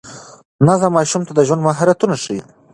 نظم ماشوم ته د ژوند مهارتونه ښيي.